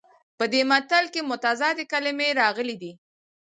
په دې متل کې متضادې کلمې راغلي دي